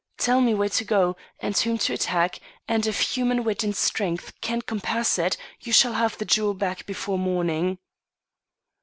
Tell me where to go, and whom to attack, and if human wit and strength can compass it, you shall have the jewel back before morning.